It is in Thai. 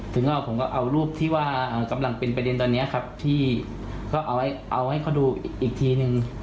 ผมก็เอารูปที่ว่ากำลังเป็นประเด็นตอนนี้ครับที่เขาเอาให้เขาดูอีกทีนึง